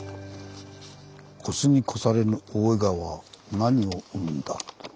「“越すに越されぬ大井川”は何を生んだ？」。